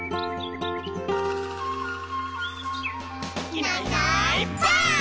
「いないいないばあっ！」